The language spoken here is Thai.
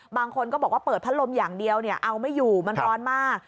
บางคนก็บอกว่าเปิดพัดลมอย่างเดียวเอาไม่อยู่มันร้อนมาก